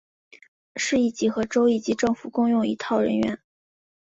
市一级和州一级政府共用一套人员。